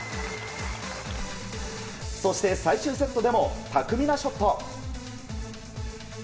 そして最終セットでも巧みなショット。